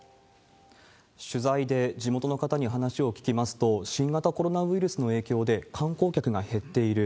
取材で地元の方に話を聞きますと、新型コロナウイルスの影響で観光客が減っている。